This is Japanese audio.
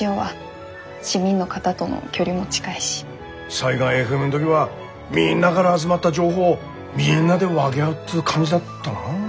災害ＦＭの時はみんながら集まった情報をみんなで分げ合うっつう感じだったなあ。